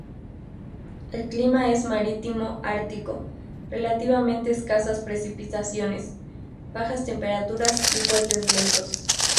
El clima es marítimo-ártico; relativamente escasas precipitaciones, bajas temperaturas y fuertes vientos.